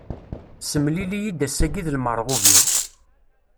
Ssemlil-iyi-d ass-agi d lmerɣub-iw.